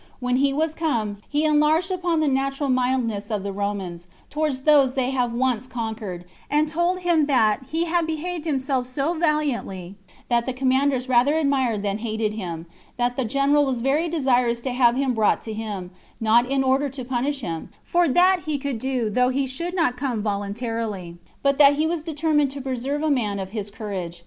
When he was come, he enlarged upon the natural mildness of the Romans towards those they have once conquered; and told him that he had behaved himself so valiantly, that the commanders rather admired than hated him; that the general was very desirous to have him brought to him, not in order to punish him, for that he could do though he should not come voluntarily, but that he was determined to preserve a man of his courage.